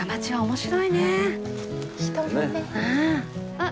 あっ！